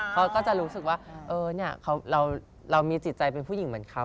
เขาก็จะรู้สึกว่าเรามีจิตใจเป็นผู้หญิงเหมือนเขา